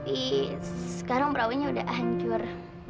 tapi sekarang perahunya sudah hancur